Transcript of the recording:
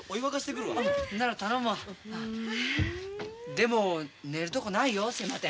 でも寝るとこないよ狭て。